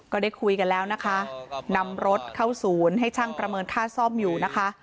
ก็ได้คุยกันแล้วนะคะนำรถเข้าศูนย์ให้ช่างประเมินค่าซ่อมอยู่นะคะ